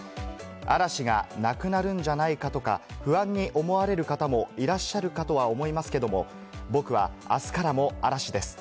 嵐がなくなるんじゃないかとか不安に思われる方もいらっしゃるかとは思いますけれども、僕はあすからも嵐です。